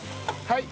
はい。